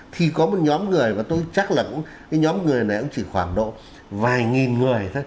thì có một nhóm người và tôi chắc là cái nhóm người này cũng chỉ khoảng độ vài nghìn người thôi